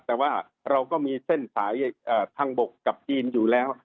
แต่ว่าเราก็มีเส้นสายทางบกกับจีนอยู่แล้ว